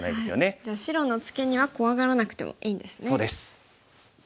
じゃあ白のツケには怖がらなくてもいいんですね。